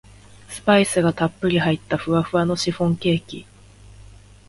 スパイスがたっぷり入ったふわふわのシフォンケーキ